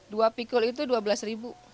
dua pikul itu rp dua belas